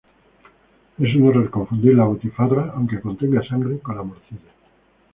Es un error confundir la butifarra, aunque contenga sangre, con la morcilla.